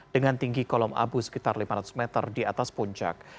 dengan tinggi kolom abu sekitar lima ratus meter di atas puncak